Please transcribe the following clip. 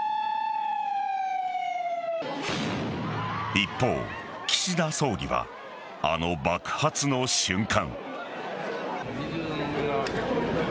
一方、岸田総理はあの爆発の瞬間。